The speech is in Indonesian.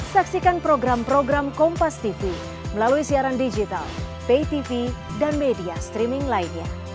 saksikan program program kompastv melalui siaran digital paytv dan media streaming lainnya